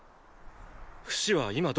フシは今どこだ？